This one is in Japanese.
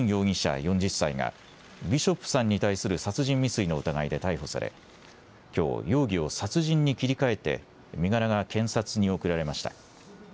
４０歳が、ビショップさんに対する殺人未遂の疑いで逮捕され、きょう、容疑を殺人に切り替えて、身柄が検察に送られました。